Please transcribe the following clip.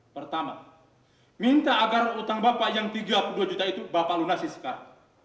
pertama minta agar utang bapak yang tiga puluh dua juta itu bapak lunasi sekarang